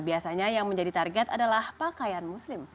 biasanya yang menjadi target adalah pakaian muslim